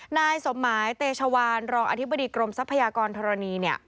นายสมหมายเตชวานรองอธิบดีกรมทรัพยากรธรณีเนี่ย